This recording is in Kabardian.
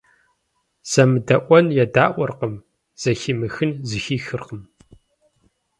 ЗэмыдэIуэн едаIуэркъым, зэхимыхын зэхихыркъым.